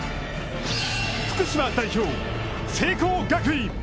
福島代表・聖光学院。